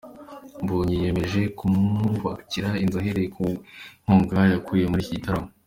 Mbonyi yiyemeje kumwubakira inzu ahereye ku nkunga yakuye muri iki gitaramo.